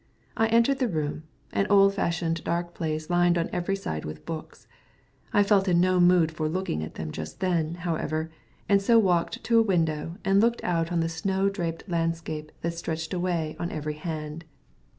I entered the room, an old fashioned dark place lined on every side with books. I felt in no mood for looking at them just then, however, and so walked to a window and looked out on the snow draped landscape that stretched away on every hand.